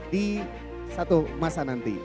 di satu masa nanti